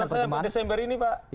setuju dengan saya pada desember ini pak